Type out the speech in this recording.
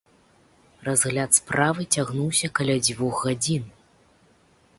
Разгляд справы цягнуўся каля дзвюх гадзін.